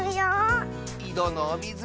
いどのおみず